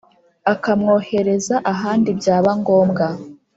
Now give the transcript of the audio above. akamwohereza ahandi byaba ngombwa